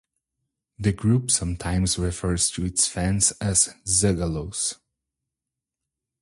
The group sometimes refers to its fans as "zuggalos".